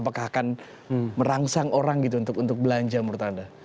apakah akan merangsang orang gitu untuk belanja menurut anda